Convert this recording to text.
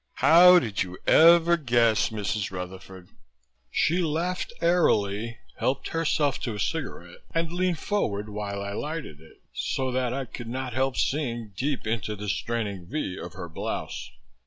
"How did you ever guess, Mrs. Rutherford?" She laughed airily, helped herself to a cigarette and leaned forward while I lighted it so that I could not help seeing deep into the straining V of her blouse.